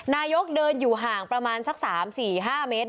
นายกเดินอยู่ห่างประมาณสัก๓๔๕เมตร